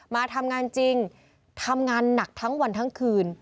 มาทำงานจริงทำงานหนักทั้งวันทั้งคืน